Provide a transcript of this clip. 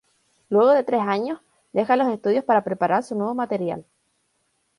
Luego de tres años, deja los estudios para preparar su nuevo material.